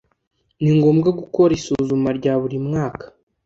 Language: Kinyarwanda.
Ni ngombwa gukora isuzuma rya buri mwaka